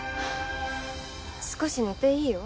少し寝ていいよ。